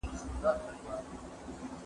دا کار له هغه ګټور دي،